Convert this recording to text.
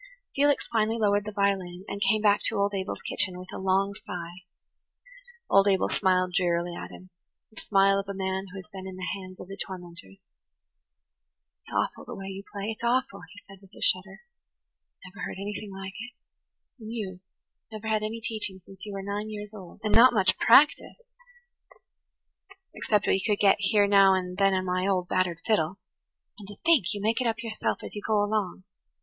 Felix finally lowered the violin, and came back to old Abel's kitchen with a long sigh. Old Abel smiled drearily at him–the smile of a man who has been in the hands of the tormentors. "It's awful the way you play–it's awful," he said with a shudder. "I never heard anything like it–and you that never had any teaching since you were nine years old, and not much practice, except what you could get here now and then on my old, battered fiddle. And to think you make it up yourself as you go along!